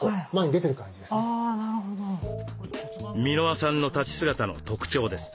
箕輪さんの立ち姿の特徴です。